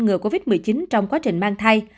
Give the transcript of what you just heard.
ngừa covid một mươi chín trong quá trình mang thai